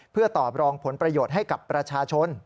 เพื่อตอบรองผลประโยชน์ให้กับประชาชน